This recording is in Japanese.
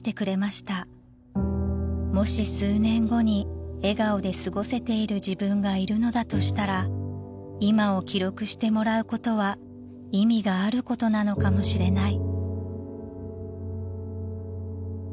［もし数年後に笑顔で過ごせている自分がいるのだとしたら今を記録してもらうことは意味があることなのかもしれない］